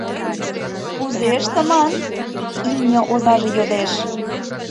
— Кузе ыштыман? — имне озаже йодеш.